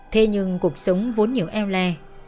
thế nhưng cuộc sống vốn nhiều eo le